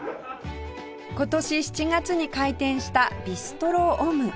今年７月に開店したビストロオム